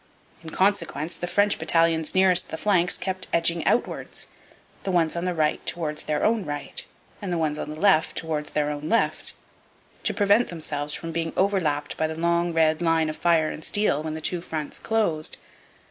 In consequence, the French battalions nearest the flanks kept edging outwards, the ones on the right towards their own right and the ones on the left towards their own left, to prevent themselves from being overlapped by the long red line of fire and steel when the two fronts closed.